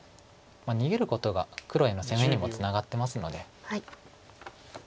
逃げることが黒への攻めにもつながってますので。